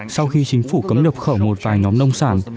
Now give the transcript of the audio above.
sau khi chính phủ cấm nhập khẩu một vài nhóm nông sản